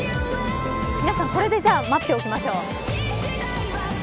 皆さんこれで待っておきましょう。